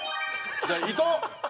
じゃあ伊藤！